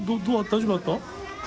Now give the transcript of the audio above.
大丈夫だった？